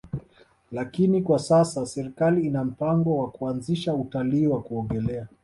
Lakini kwa sasa serikali ina mpango wa kuanzisha utalii wa kuogelea